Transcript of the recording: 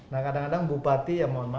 nah kadang kadang bupati ya mohon maaf